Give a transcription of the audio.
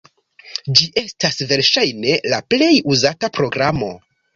Ĝi estas verŝajne la plej uzata programo.